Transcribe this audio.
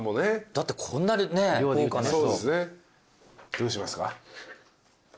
どうしますか？